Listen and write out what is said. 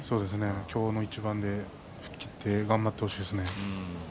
今日の一番で吹っ切れて頑張ってほしいですね。